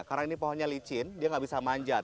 karena ini pohonnya licin dia enggak bisa manjat